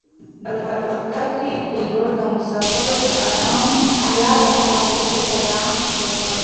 د الوتکې پېلوټ د مسافرو د ارامتیا لپاره یو پیغام خپور کړ.